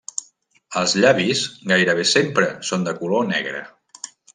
Els llavis gairebé sempre són de color negre.